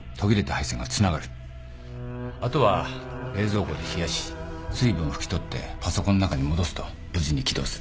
後は冷蔵庫で冷やし水分を拭き取ってパソコンの中に戻すと無事に起動する